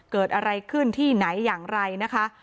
เกิดอะไรขึ้นที่ไหนอย่างไรนะคะ